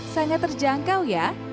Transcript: sangat terjangkau ya